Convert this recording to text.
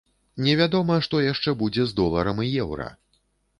Невядома, што яшчэ будзе з доларам і еўра.